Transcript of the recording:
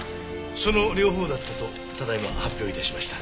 その両方だったとただ今発表致しました。